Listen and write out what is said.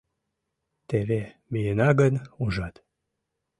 — Теве миена гын, ужат.